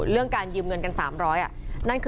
เรื่องนี้ทางคดีความว่ายังไงนะครับ